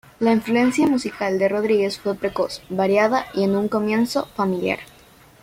La influencia musical de Rodríguez fue precoz, variada y en un comienzo familiar.